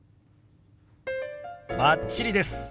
バッチリです。